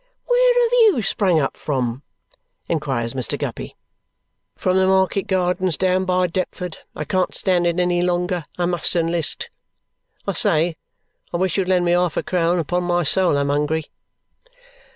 "Where have you sprung up from?" inquires Mr. Guppy. "From the market gardens down by Deptford. I can't stand it any longer. I must enlist. I say! I wish you'd lend me half a crown. Upon my soul, I'm hungry."